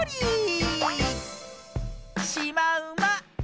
しまうま。